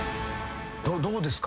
どうですか？